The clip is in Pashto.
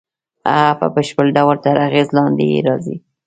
هغه په بشپړ ډول تر اغېز لاندې یې راځي